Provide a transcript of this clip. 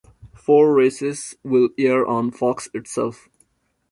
Four races will air on Fox itself.